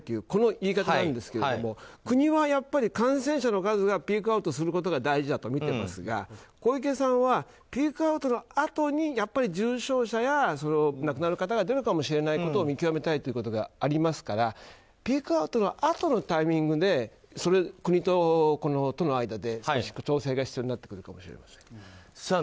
この言い方なんですけど国は感染者の数がピークアウトすることが大事だと見てますが小池さんはピークアウトのあとにやっぱり重症者や亡くなる方が出るかもしれないことを見極めたいということがありますからピークアウトのあとのタイミングで、国と都の間で調整が必要になってくるかもしれません。